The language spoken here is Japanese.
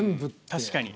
確かに。